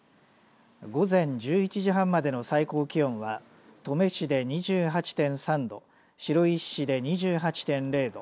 午前１１時半までの最高気温は登米市で２８．３度白石市で２８．０度